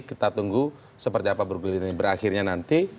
kita tunggu seperti apa bergulirnya berakhirnya nanti